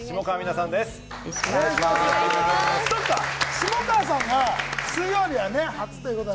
下川さんが水曜日はね、初ということで。